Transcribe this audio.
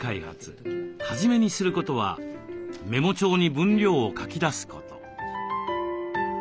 初めにすることはメモ帳に分量を書き出すこと。